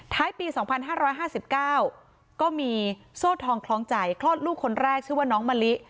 ปี๒๕๕๙ก็มีโซ่ทองคล้องใจคลอดลูกคนแรกชื่อว่าน้องมะลิ